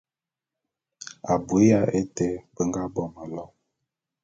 Abui ya été be nga bo mélo.